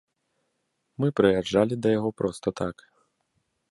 Мы прыязджалі да яго проста так.